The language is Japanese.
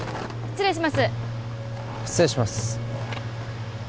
失礼します